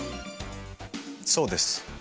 そうです。